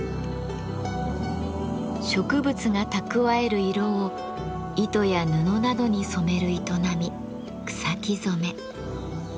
植物が蓄える色を糸や布などに染める営み「草木染め」。